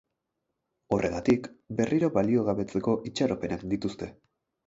Horregatik, berriro baliogabetzeko itxaropenak dituzte.